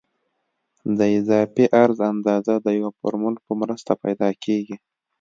د اضافي عرض اندازه د یو فورمول په مرسته پیدا کیږي